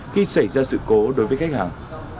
khi xảy ra sự cố đối với khách hàng